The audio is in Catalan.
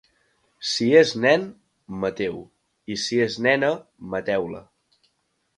Si és nen Mateu i si és nena mateu-la